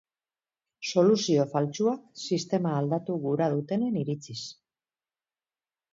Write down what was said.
Soluzio faltsuak, sistema aldatu gura dutenen iritziz.